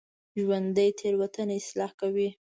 ژوندي تېروتنه اصلاح کوي